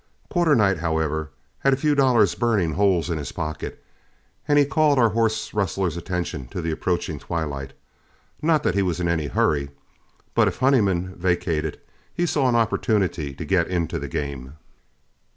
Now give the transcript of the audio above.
Quarternight, however, had a few dollars burning holes in his pocket, and he called our horse rustler's attention to the approaching twilight; not that he was in any hurry, but if Honeyman vacated, he saw an opportunity to get into the game.